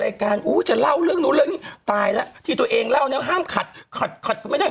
อ้าวหายใจ